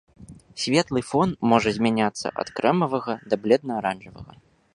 Светлы фон можа змяняцца ад крэмавага да бледна-аранжавага.